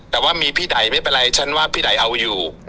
แต่ว่ามีพี่ไดไม่เป็นไรฉันว่าพี่ไดเอาอยู่